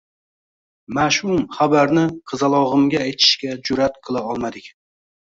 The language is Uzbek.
Mash'um xabarni qizalog'imga aytishga jur'at qila olmadik